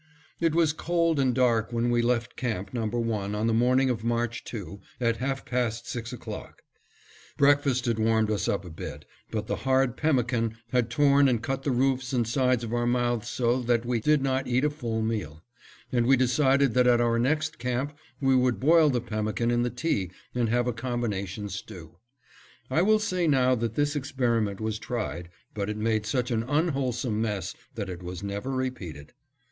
It was cold and dark when we left camp number one on the morning of March 2, at half past six o'clock. Breakfast had warmed us up a bit, but the hard pemmican had torn and cut the roofs and sides of our mouths so that we did not eat a full meal, and we decided that at our next camp we would boil the pemmican in the tea and have a combination stew. I will say now that this experiment was tried, but it made such an unwholesome mess that it was never repeated.